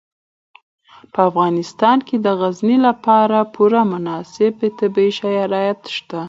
په افغانستان کې د غزني لپاره پوره مناسب طبیعي شرایط شته.